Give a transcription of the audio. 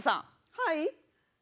はい？